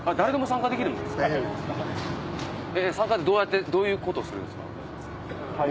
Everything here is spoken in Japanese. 参加ってどういうことをするんですか？